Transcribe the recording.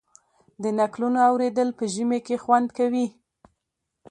د نکلونو اوریدل په ژمي کې خوند کوي.